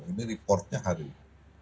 ini laporannya hari ini